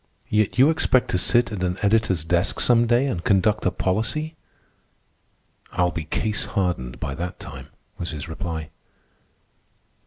"Yet you expect to sit at an editor's desk some day and conduct a policy." "I'll be case hardened by that time," was his reply.